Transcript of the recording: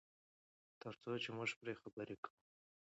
تر څو چې موږ پرې خبرې کوو.